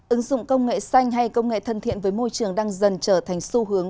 ứng dụng công nghệ xanh hay công nghệ thân thiện với môi trường đang dần trở thành xu hướng